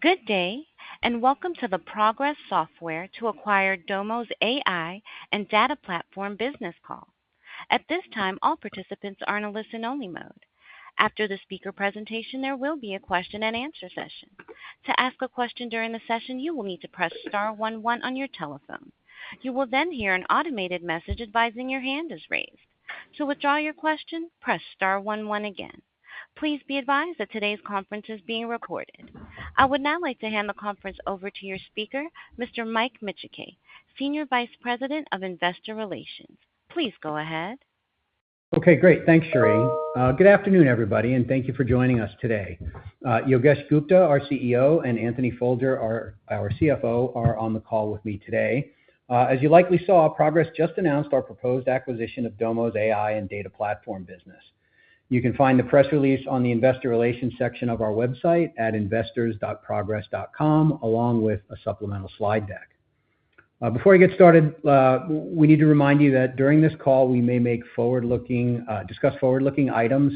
Good day, and welcome to the Progress Software to acquire Domo's AI and data platform business call. At this time, all participants are in a listen-only mode. After the speaker presentation, there will be a question and answer session. To ask a question during the session, you will need to press star one one on your telephone. You will then hear an automated message advising your hand is raised. To withdraw your question, press star one one again. Please be advised that today's conference is being recorded. I would now like to hand the conference over to your speaker, Mr. Michael Micciche, Senior Vice President of Investor Relations. Please go ahead. Okay, great. Thanks, Sheree. Good afternoon, everybody, and thank you for joining us today. Yogesh Gupta, our Chief Executive Officer, and Anthony Folger, our Chief Financial Officer, are on the call with me today. As you likely saw, Progress just announced our proposed acquisition of Domo's AI and data platform business. You can find the press release on the investor relations section of our website at investors.progress.com, along with a supplemental slide deck. Before we get started, we need to remind you that during this call, we may discuss forward-looking items,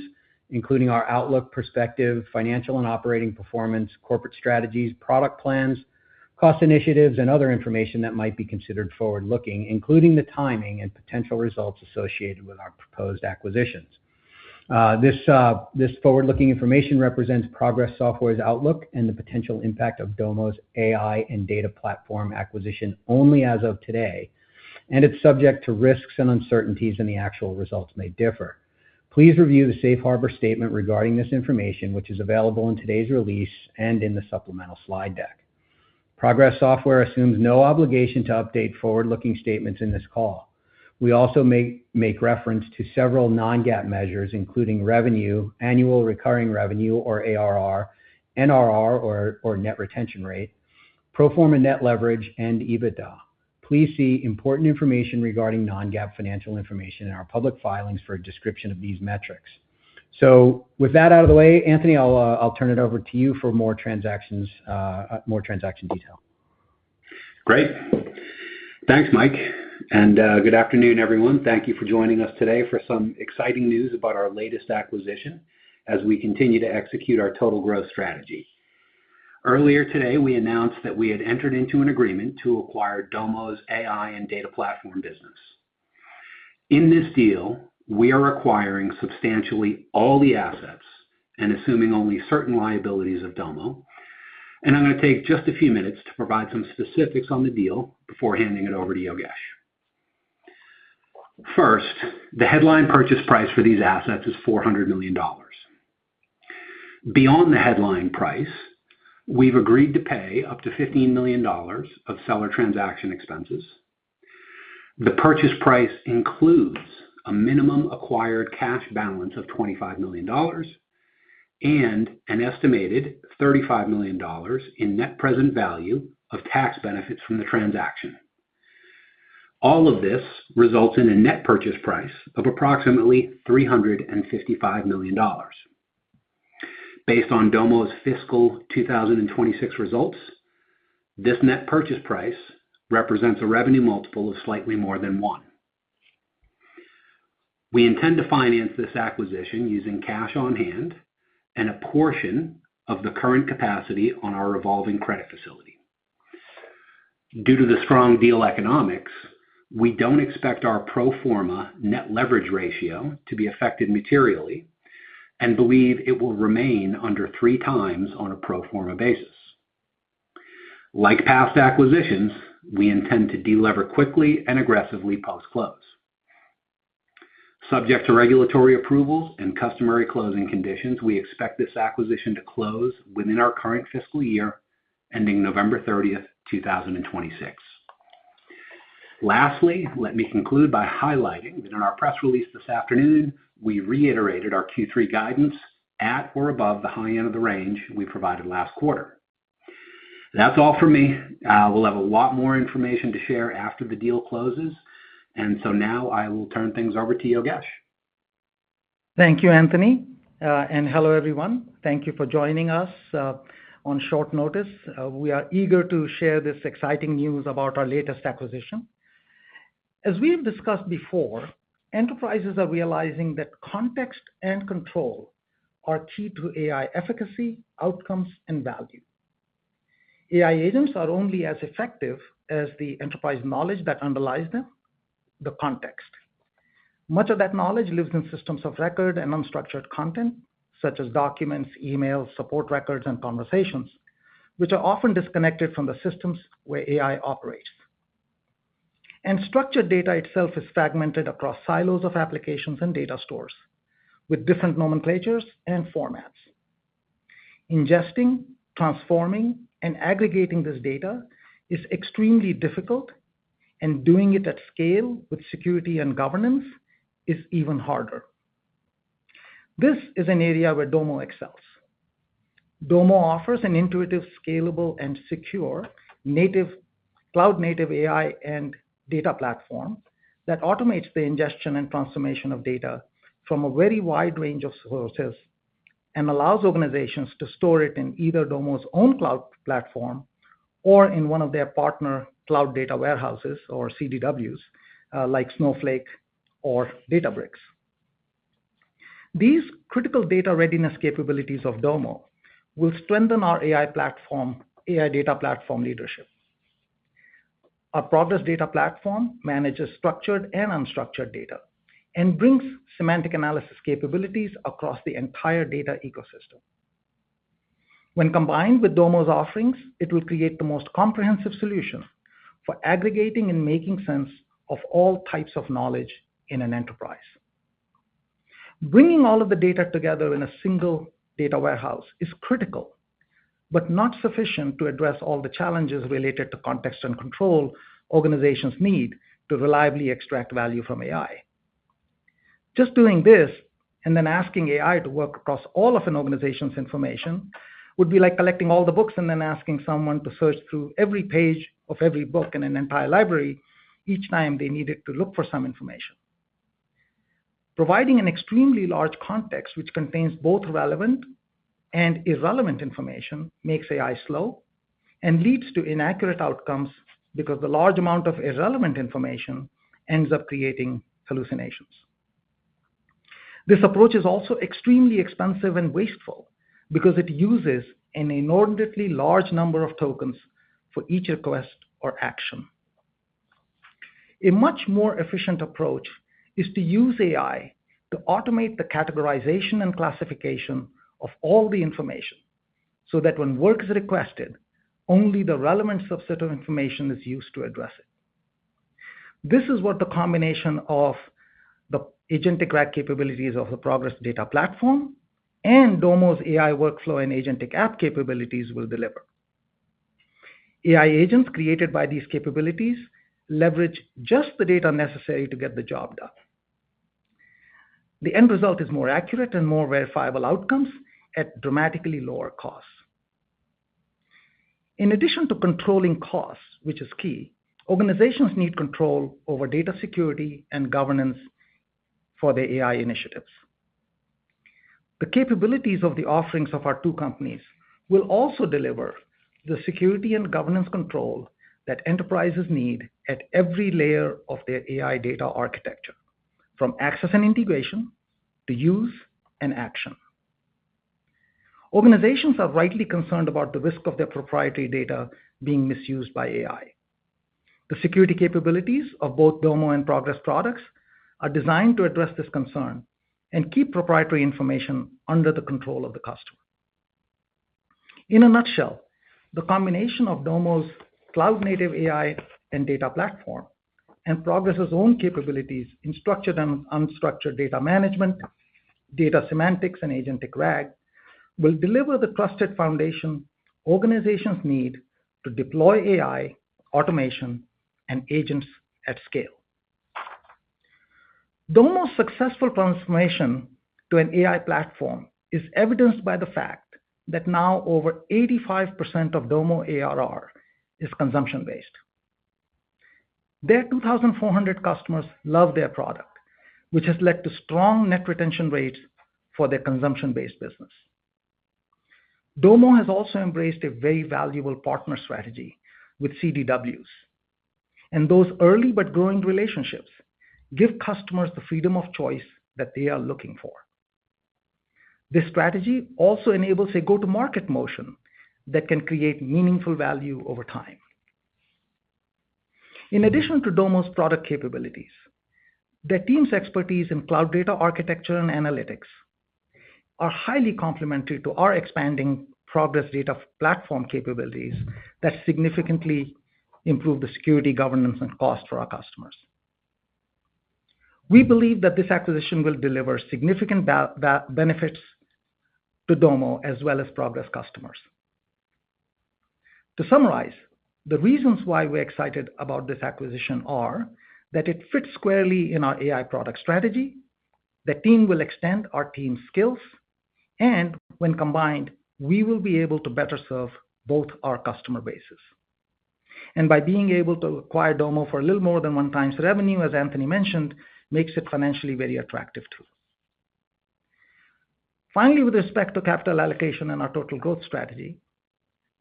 including our outlook, perspective, financial and operating performance, corporate strategies, product plans, cost initiatives, and other information that might be considered forward-looking, including the timing and potential results associated with our proposed acquisitions. This forward-looking information represents Progress Software's outlook and the potential impact of Domo's AI and data platform acquisition only as of today, and it's subject to risks and uncertainties and the actual results may differ. Please review the safe harbor statement regarding this information, which is available in today's release and in the supplemental slide deck. Progress Software assumes no obligation to update forward-looking statements in this call. We also make reference to several non-GAAP measures, including revenue, annual recurring revenue or ARR, NRR or net retention rate, pro forma net leverage, and EBITDA. Please see important information regarding non-GAAP financial information in our public filings for a description of these metrics. With that out of the way, Anthony, I'll turn it over to you for more transaction detail. Great. Thanks, Mike, and good afternoon, everyone. Thank you for joining us today for some exciting news about our latest acquisition as we continue to execute our total growth strategy. Earlier today, we announced that we had entered into an agreement to acquire Domo's AI and data platform business. In this deal, we are acquiring substantially all the assets and assuming only certain liabilities of Domo. I'm going to take just a few minutes to provide some specifics on the deal before handing it over to Yogesh. First, the headline purchase price for these assets is $400 million. Beyond the headline price, we've agreed to pay up to $15 million of seller transaction expenses. The purchase price includes a minimum acquired cash balance of $25 million and an estimated $35 million in net present value of tax benefits from the transaction. All of this results in a net purchase price of approximately $355 million. Based on Domo's fiscal 2026 results, this net purchase price represents a revenue multiple of slightly more than one. We intend to finance this acquisition using cash on hand and a portion of the current capacity on our revolving credit facility. Due to the strong deal economics, we don't expect our pro forma net leverage ratio to be affected materially and believe it will remain under 3x on a pro forma basis. Like past acquisitions, we intend to delever quickly and aggressively post-close. Subject to regulatory approvals and customary closing conditions, we expect this acquisition to close within our current fiscal year ending November 30th, 2026. Lastly, let me conclude by highlighting that in our press release this afternoon, we reiterated our Q3 guidance at or above the high end of the range we provided last quarter. That's all from me. We'll have a lot more information to share after the deal closes. Now I will turn things over to Yogesh. Thank you, Anthony, and hello, everyone. Thank you for joining us on short notice. We are eager to share this exciting news about our latest acquisition. As we've discussed before, enterprises are realizing that context and control are key to AI efficacy, outcomes, and value. AI agents are only as effective as the enterprise knowledge that underlies them, the context. Much of that knowledge lives in systems of record and unstructured content, such as documents, emails, support records, and conversations, which are often disconnected from the systems where AI operates. Structured data itself is fragmented across silos of applications and data stores with different nomenclatures and formats. Ingesting, transforming, and aggregating this data is extremely difficult, and doing it at scale with security and governance is even harder. This is an area where Domo excels. Domo offers an intuitive, scalable, and secure cloud-native AI and data platform that automates the ingestion and transformation of data from a very wide range of sources and allows organizations to store it in either Domo's own cloud platform or in one of their partner cloud data warehouses, or CDWs, like Snowflake or Databricks. These critical data readiness capabilities of Domo will strengthen our AI data platform leadership. Our Progress Data Platform manages structured and unstructured data and brings semantic analysis capabilities across the entire data ecosystem. When combined with Domo's offerings, it will create the most comprehensive solution for aggregating and making sense of all types of knowledge in an enterprise. Bringing all of the data together in a single data warehouse is critical, but not sufficient to address all the challenges related to context and control organizations need to reliably extract value from AI. Just doing this, then asking AI to work across all of an organization's information would be like collecting all the books and then asking someone to search through every page of every book in an entire library each time they needed to look for some information. Providing an extremely large context, which contains both relevant and irrelevant information, makes AI slow and leads to inaccurate outcomes because the large amount of irrelevant information ends up creating hallucinations. This approach is also extremely expensive and wasteful because it uses an inordinately large number of tokens for each request or action. A much more efficient approach is to use AI to automate the categorization and classification of all the information, so that when work is requested, only the relevant subset of information is used to address it. This is what the combination of the agentic RAG capabilities of the Progress Data Platform and Domo's AI workflow and agentic app capabilities will deliver. AI agents created by these capabilities leverage just the data necessary to get the job done. The end result is more accurate and more verifiable outcomes at dramatically lower costs. In addition to controlling costs, which is key, organizations need control over data security and governance for their AI initiatives. The capabilities of the offerings of our two companies will also deliver the security and governance control that enterprises need at every layer of their AI data architecture, from access and integration to use and action. Organizations are rightly concerned about the risk of their proprietary data being misused by AI. The security capabilities of both Domo and Progress products are designed to address this concern and keep proprietary information under the control of the customer. In a nutshell, the combination of Domo's cloud-native AI and data platform and Progress' own capabilities in structured and unstructured data management, data semantics, and agentic RAG will deliver the trusted foundation organizations need to deploy AI, automation, and agents at scale. Domo's successful transformation to an AI platform is evidenced by the fact that now over 85% of Domo ARR is consumption-based. Their 2,400 customers love their product, which has led to strong net retention rates for their consumption-based business. Domo has also embraced a very valuable partner strategy with CDWs, and those early but growing relationships give customers the freedom of choice that they are looking for. This strategy also enables a go-to-market motion that can create meaningful value over time. In addition to Domo's product capabilities, their team's expertise in cloud data architecture and analytics are highly complementary to our expanding Progress Data Platform capabilities that significantly improve the security, governance, and cost for our customers. We believe that this acquisition will deliver significant benefits to Domo as well as Progress customers. To summarize, the reasons why we're excited about this acquisition are that it fits squarely in our AI product strategy, the team will extend our team's skills, and when combined, we will be able to better serve both our customer bases. By being able to acquire Domo for a little more than one times revenue, as Anthony mentioned, makes it financially very attractive too. Finally, with respect to capital allocation and our total growth strategy,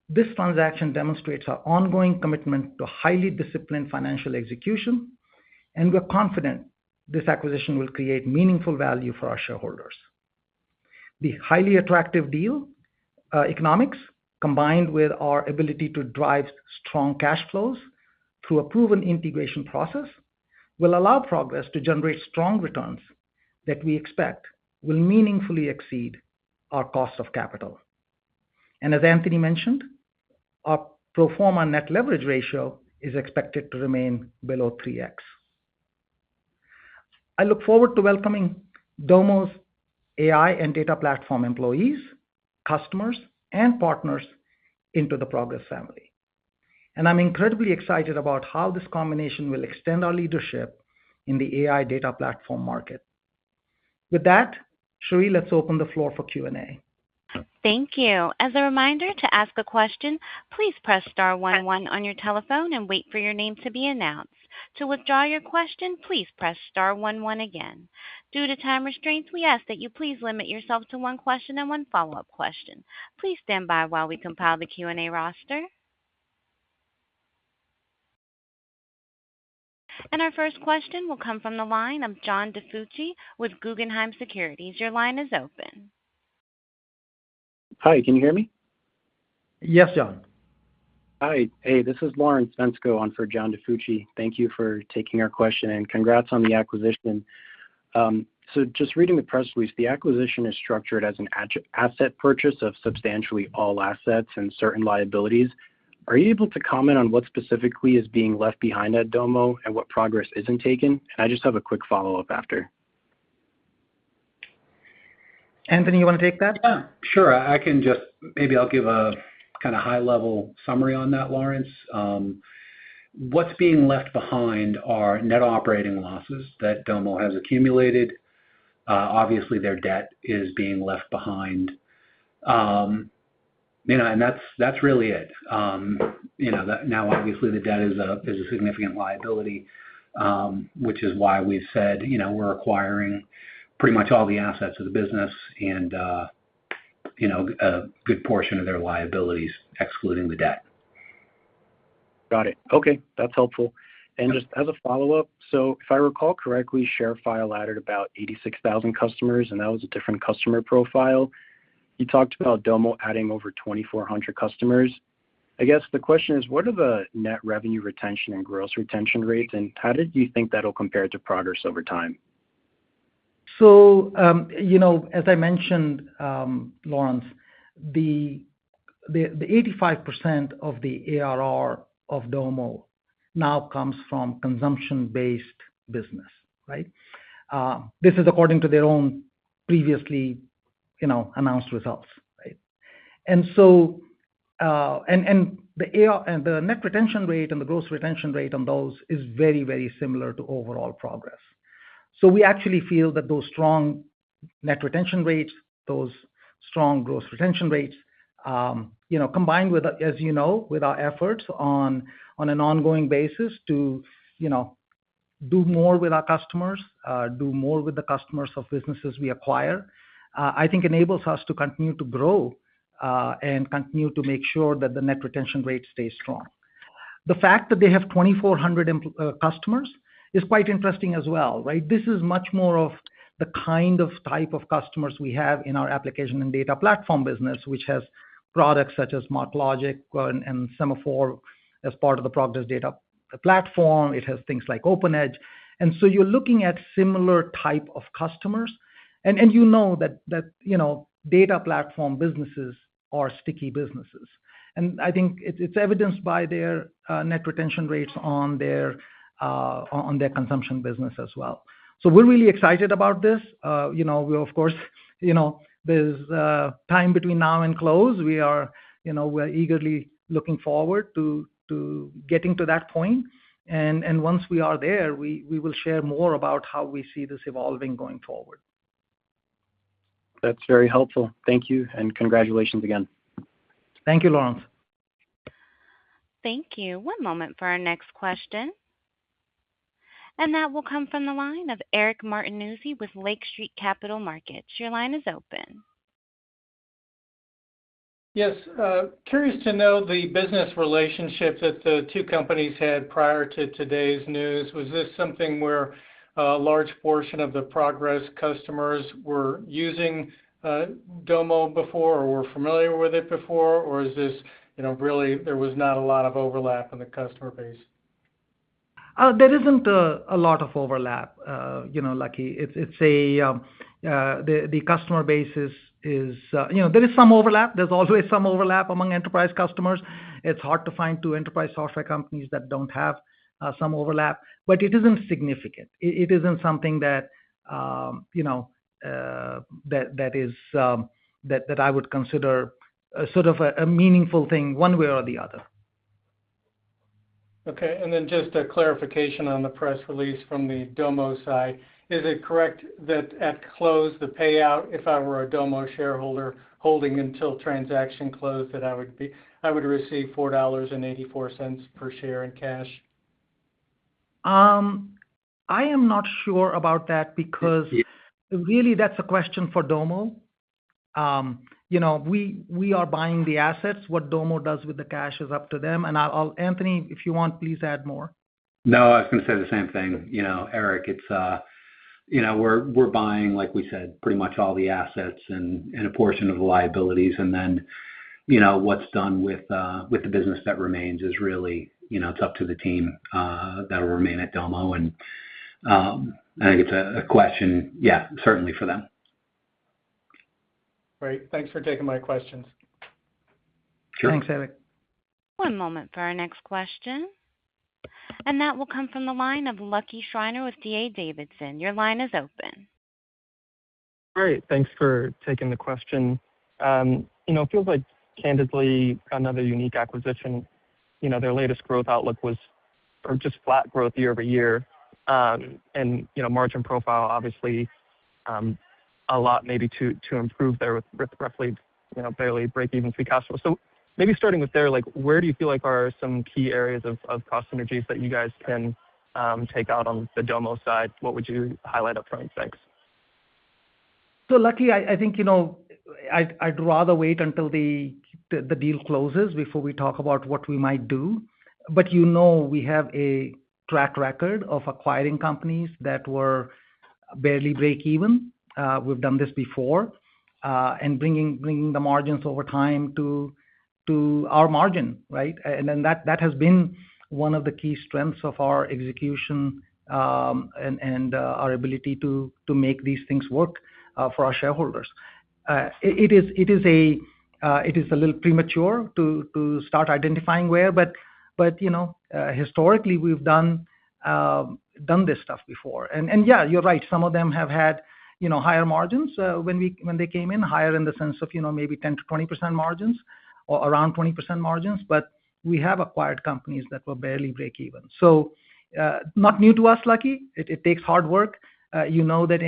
this transaction demonstrates our ongoing commitment to highly disciplined financial execution, and we're confident this acquisition will create meaningful value for our shareholders. The highly attractive deal economics, combined with our ability to drive strong cash flows through a proven integration process, will allow Progress to generate strong returns that we expect will meaningfully exceed our cost of capital. As Anthony mentioned, our pro forma net leverage ratio is expected to remain below 3x. I look forward to welcoming Domo's AI and data platform employees, customers, and partners into the Progress family. I'm incredibly excited about how this combination will extend our leadership in the AI data platform market. With that, Sheree, let's open the floor for Q&A. Thank you. As a reminder, to ask a question, please press star one one on your telephone and wait for your name to be announced. To withdraw your question, please press star one one again. Due to time restraints, we ask that you please limit yourself to one question and one follow-up question. Please stand by while we compile the Q&A roster. Our first question will come from the line of John DiFucci with Guggenheim Securities. Your line is open. Hi, can you hear me? Yes, Lawrence. Hi. This is Lawrence Vensko on for John DiFucci. Thank you for taking our question, and congrats on the acquisition. Just reading the press release, the acquisition is structured as an asset purchase of substantially all assets and certain liabilities. Are you able to comment on what specifically is being left behind at Domo and what Progress isn't taking? I just have a quick follow-up after. Anthony, you want to take that? Yeah, sure. Maybe I'll give a high-level summary on that, Lawrence. What's being left behind are net operating losses that Domo has accumulated. Obviously, their debt is being left behind. That's really it. Now, obviously, the debt is a significant liability, which is why we said we're acquiring pretty much all the assets of the business and a good portion of their liabilities, excluding the debt. Got it. Okay. That's helpful. Just as a follow-up. If I recall correctly, ShareFile added about 86,000 customers, and that was a different customer profile. You talked about Domo adding over 2,400 customers. I guess the question is: what are the net revenue retention and gross retention rates, and how did you think that'll compare to Progress over time? As I mentioned, Lawrence, the 85% of the ARR of Domo now comes from consumption-based business. Right? This is according to their own previously announced results. Right? The net retention rate and the gross retention rate on those is very similar to overall Progress. We actually feel that those strong net retention rates, those strong gross retention rates, combined with, as you know, with our efforts on an ongoing basis to do more with our customers, do more with the customers of businesses we acquire, I think enables us to continue to grow, and continue to make sure that the net retention rate stays strong. The fact that they have 2,400 customers is quite interesting as well. Right? This is much more of the kind of type of customers we have in our application and data platform business, which has products such as SmartLogic and Semaphore as part of the Progress Data Platform. It has things like OpenEdge. You're looking at similar type of customers. You know that data platform businesses are sticky businesses. I think it's evidenced by their net retention rates on their consumption business as well. We're really excited about this. There's time between now and close. We're eagerly looking forward to getting to that point. Once we are there, we will share more about how we see this evolving going forward. That's very helpful. Thank you, congratulations again. Thank you, Lawrence. Thank you. One moment for our next question. That will come from the line of Eric Martinuzzi with Lake Street Capital Markets. Your line is open. Yes. Curious to know the business relationship that the two companies had prior to today's news. Was this something where a large portion of the Progress customers were using Domo before or were familiar with it before? Is this really there was not a lot of overlap in the customer base? There isn't a lot of overlap, Lucky. There is some overlap. There's always some overlap among enterprise customers. It's hard to find two enterprise software companies that don't have some overlap, it isn't significant. It isn't something that I would consider a meaningful thing one way or the other. Okay, just a clarification on the press release from the Domo side. Is it correct that at close, the payout, if I were a Domo shareholder holding until transaction close, that I would receive $4.84 per share in cash? I am not sure about that because really that's a question for Domo. We are buying the assets. What Domo does with the cash is up to them. Anthony, if you want, please add more. No, I was going to say the same thing. Eric, we're buying, like we said, pretty much all the assets and a portion of the liabilities. What's done with the business that remains is really it's up to the team that'll remain at Domo. I think it's a question, yeah, certainly for them. Great. Thanks for taking my questions. Sure. Thanks, Eric. One moment for our next question. That will come from the line of Lucky Schreiner with D.A. Davidson. Your line is open. Great. Thanks for taking the question. It feels like, candidly, another unique acquisition. Their latest growth outlook was just flat growth year-over-year. Margin profile, obviously, a lot maybe to improve there with roughly barely break even free cash flow. Maybe starting with there, where do you feel like are some key areas of cost synergies that you guys can take out on the Domo side? What would you highlight up front? Thanks. Lucky, I think I'd rather wait until the deal closes before we talk about what we might do. You know we have a track record of acquiring companies that were barely break even. We've done this before, and bringing the margins over time to our margin, right? That has been one of the key strengths of our execution, and our ability to make these things work for our shareholders. It is a little premature to start identifying where, but historically we've done this stuff before. Yeah, you're right. Some of them have had higher margins, when they came in. Higher in the sense of maybe 10%-20% margins or around 20% margins, but we have acquired companies that were barely break even. Not new to us, Lucky. It takes hard work. You know that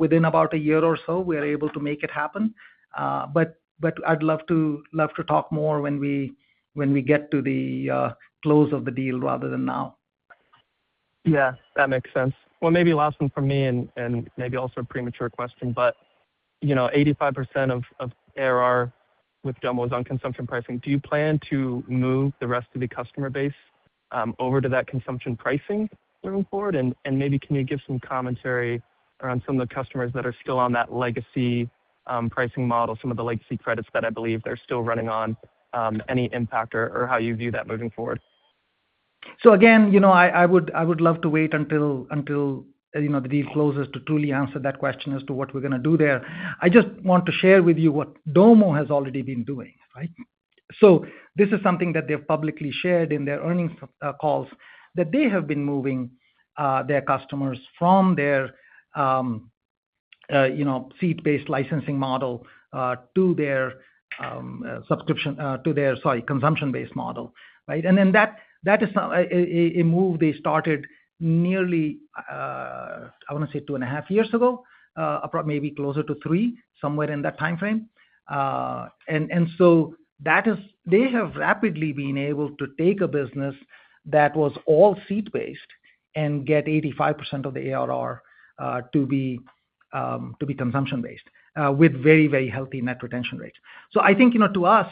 within about a year or so, we are able to make it happen. I'd love to talk more when we get to the close of the deal rather than now. Yeah, that makes sense. Maybe last one from me and maybe also a premature question, 85% of ARR with Domo is on consumption pricing. Do you plan to move the rest of the customer base over to that consumption pricing moving forward? Maybe can you give some commentary around some of the customers that are still on that legacy pricing model, some of the legacy credits that I believe they're still running on, any impact or how you view that moving forward? Again, I would love to wait until the deal closes to truly answer that question as to what we're going to do there. I just want to share with you what Domo has already been doing, right? This is something that they've publicly shared in their earnings calls, that they have been moving their customers from their seat-based licensing model to their consumption-based model, right? That is a move they started nearly, I want to say two and a half years ago. Maybe closer to three, somewhere in that timeframe. They have rapidly been able to take a business that was all seat-based and get 85% of the ARR to be consumption-based, with very healthy net retention rates. I think, to us,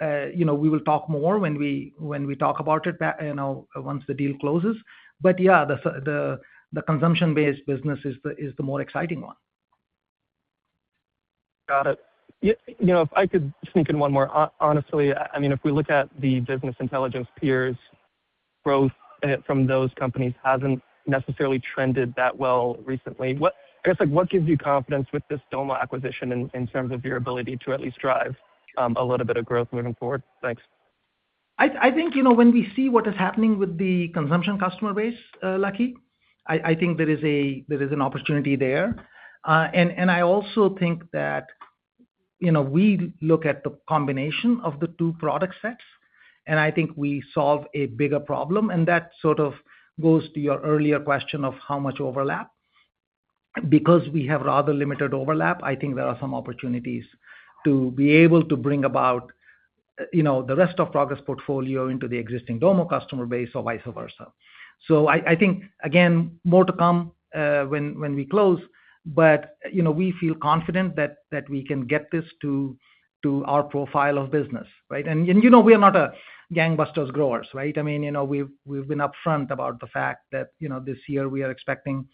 we will talk more when we talk about it once the deal closes. Yeah, the consumption-based business is the more exciting one. Got it. If I could sneak in one more. Honestly, if we look at the business intelligence peers, growth from those companies hasn't necessarily trended that well recently. I guess, what gives you confidence with this Domo acquisition in terms of your ability to at least drive a little bit of growth moving forward? Thanks. I think, when we see what is happening with the consumption customer base, Lucky, I think there is an opportunity there. I also think that we look at the combination of the two product sets, and I think we solve a bigger problem, and that sort of goes to your earlier question of how much overlap. We have rather limited overlap, I think there are some opportunities to be able to bring about the rest of Progress' portfolio into the existing Domo customer base or vice versa. I think, again, more to come when we close. We feel confident that we can get this to our profile of business, right? You know we are not a gangbusters growers, right? We've been upfront about the fact that this year we are expecting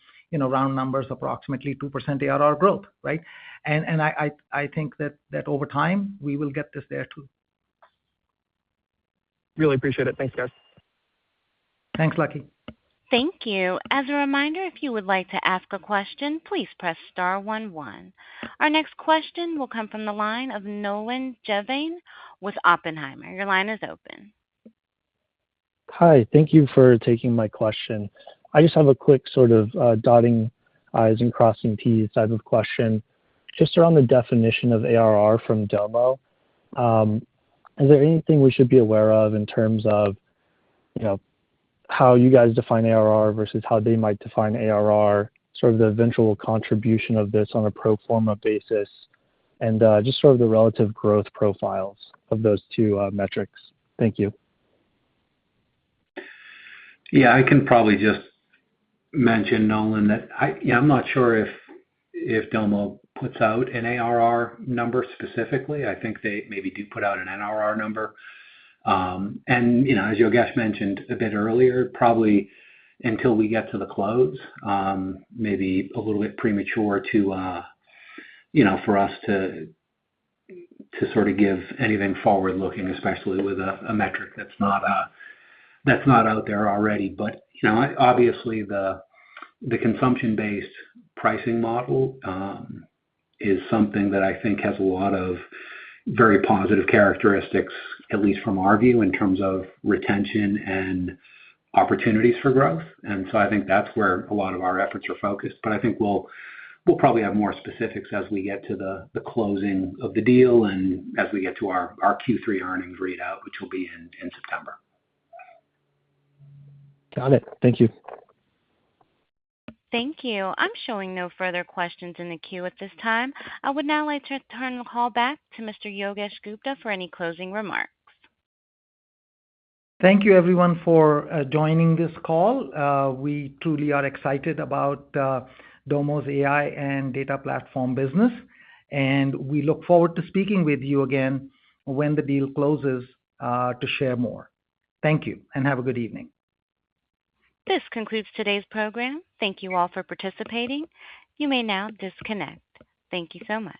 round numbers, approximately 2% ARR growth, right? I think that over time, we will get this there, too. Really appreciate it. Thanks, guys. Thanks, Lucky. Thank you. As a reminder, if you would like to ask a question, please press star 11. Our next question will come from the line of Nolan Jenevein with Oppenheimer. Your line is open. Hi. Thank you for taking my question. I just have a quick sort of dotting i's and crossing t's type of question, just around the definition of ARR from Domo. Is there anything we should be aware of in terms of how you guys define ARR versus how they might define ARR, sort of the eventual contribution of this on a pro forma basis and just sort of the relative growth profiles of those two metrics? Thank you. I can probably just mention, Nolan, that I'm not sure if Domo puts out an ARR number specifically. I think they maybe do put out an NRR number. As Yogesh mentioned a bit earlier, probably until we get to the close, maybe a little bit premature for us to sort of give anything forward-looking, especially with a metric that's not out there already. Obviously the consumption-based pricing model is something that I think has a lot of very positive characteristics, at least from our view, in terms of retention and opportunities for growth. So I think that's where a lot of our efforts are focused. I think we'll probably have more specifics as we get to the closing of the deal and as we get to our Q3 earnings readout, which will be in September. Got it. Thank you. Thank you. I'm showing no further questions in the queue at this time. I would now like to turn the call back to Mr. Yogesh Gupta for any closing remarks. Thank you everyone for joining this call. We truly are excited about Domo's AI and data platform business, and we look forward to speaking with you again when the deal closes, to share more. Thank you, and have a good evening. This concludes today's program. Thank you all for participating. You may now disconnect. Thank you so much.